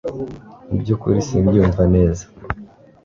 Mu byukuri simbyumva neza